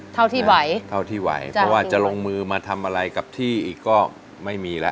เท่าที่ไหวเท่าที่ไหวเพราะว่าจะลงมือมาทำอะไรกับที่อีกก็ไม่มีแล้ว